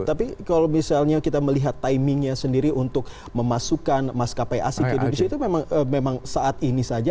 tapi kalau misalnya kita melihat timingnya sendiri untuk memasukkan maskapai asing ke indonesia itu memang saat ini saja